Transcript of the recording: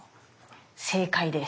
正解です！